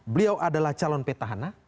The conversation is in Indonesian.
beliau adalah calon petahana